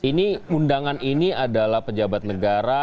ini undangan ini adalah pejabat negara